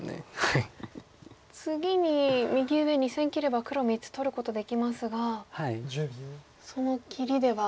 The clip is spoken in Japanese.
次に右上２線切れば黒３つ取ることできますがその切りでは。